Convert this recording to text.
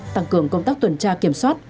tăng cường công tác tuần tra kiểm soát